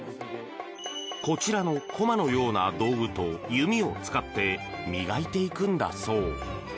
こちらの、こまのような道具と弓を使って磨いていくんだそう。